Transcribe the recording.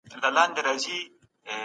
شریعت د ټولو انسانانو ساتنه کوي.